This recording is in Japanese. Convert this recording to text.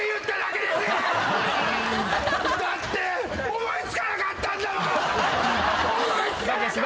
思い付かなかったんだもん。